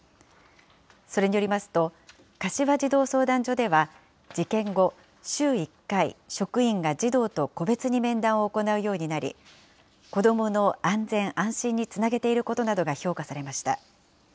それによりますと、柏児童相談所では事件後、週１回、職員が児童と個別に面談を行うようになり、子どもの安全・安心につなげていることなどが評価されました。